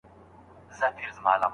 حالاتو دغه حد ته راوسته نقيبه ياره!